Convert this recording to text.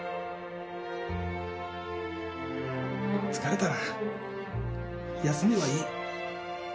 疲れたら休めばいい。